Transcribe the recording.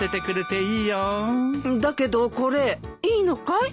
だけどこれいいのかい？